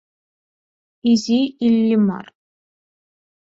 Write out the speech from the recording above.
ИЗИ ИЛЛИМАР